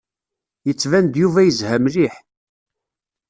Yettban-d Yuba yezha mliḥ.